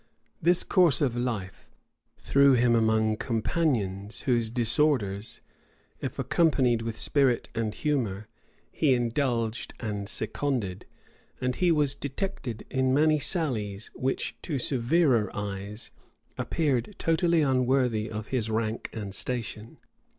This course of life threw him among companions, whose disorders, if accompanied with spirit and humor, he indulged and seconded; and he was detected in many sallies, which, to severer eyes, appeared totally unworthy of his rank and station.